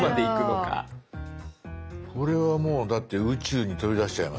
これはもうだって宇宙に飛び出しちゃいますよ。